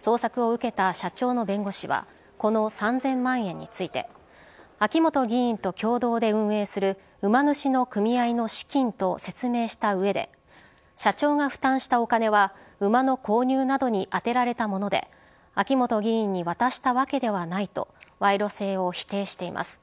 捜索を受けた社長の弁護士はこの３０００万円について秋本議員と共同で運営する馬主の組合の資金と説明した上で社長が負担したお金は馬の購入などに充てられたもので秋本議員に渡したわけではないと賄賂性を否定しています。